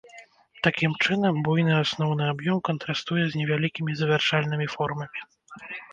Такім чынам, буйны асноўны аб'ём кантрастуе з невялікімі завяршальнымі формамі.